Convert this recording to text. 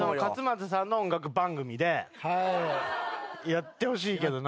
やってほしいけどな。